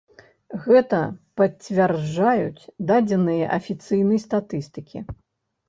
Гэта пацвярджаюць дадзеныя афіцыйнай статыстыкі.